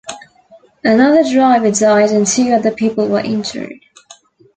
Another driver died and two other people were injured.